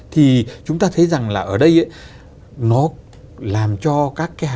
thì chúng ta thấy rằng là ở đây nó làm cho các cái hạng hóa